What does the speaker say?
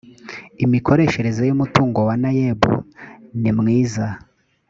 imikoreshereze y ‘umutungo wa nayebu nimwiza.